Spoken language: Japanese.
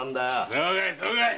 そうかいそうかい。